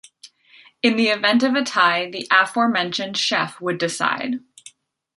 In the event of a tie, the aforementioned chef would decide.